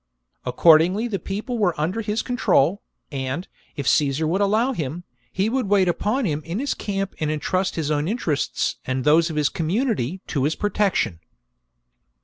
Accordingly the people were under his con trol, and, if Caesar would allow him, he would wait upon him in his camp and entrust his own interests and those of the community to his protection.